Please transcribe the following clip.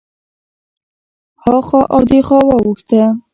هخوا او دېخوا واوښته.